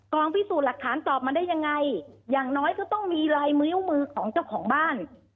พิสูจน์หลักฐานตอบมาได้ยังไงอย่างน้อยก็ต้องมีลายนิ้วมือของเจ้าของบ้าน